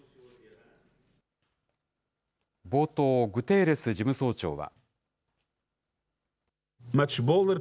冒頭、グテーレス事務総長は。